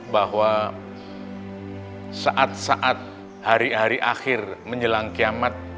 bahwa saat saat hari hari akhir menjelang kiamat